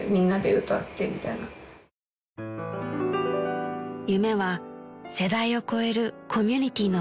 ［夢は世代を超えるコミュニティーの場］